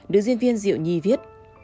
nữ diễn viên diệu nhi viết